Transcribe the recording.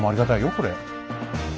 これ。